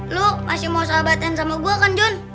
lu masih mau sahabatin sama gue kan john